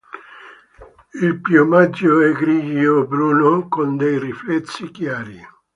Il piumaggio è grigio o bruno con dei riflessi chiari.